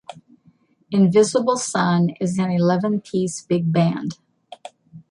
"Invisible Sun" is an eleven-piece big band.